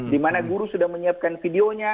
di mana guru sudah menyiapkan videonya